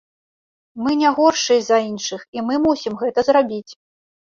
Мы не горшыя за іншых і мы мусім гэта зрабіць.